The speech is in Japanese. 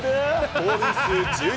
盗塁数１２